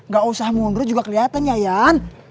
gak usah mundur juga keliatan ya yan